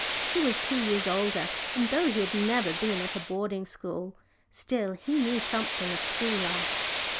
He was two years older, and though he had never been at a boarding school, still he knew something of school life.